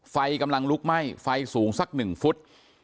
ไฟกำลังลุกไหม้ไฟสูงสักหนึ่งฟุต